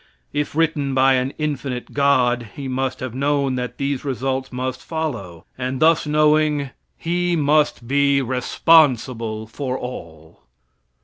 If written by an infinite God, He must have known that these results must follow; and thus knowing, He must be responsible for all.